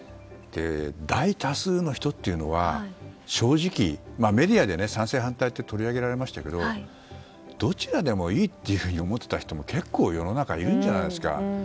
大多数の人というのは正直メディアで賛成、反対と取り上げられましたけどどちらでもいいっていうふうに思っていた人も結構、世の中にいるんじゃないですか。